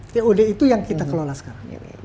tod itu yang kita kelola sekarang